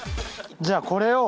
じゃあこれを。